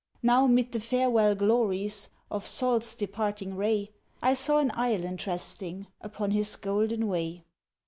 Now 'mid the farewell glories "Of Sol's departing ray," I saw an Island resting Upon his golden way.